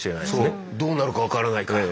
どうなるか分からないから。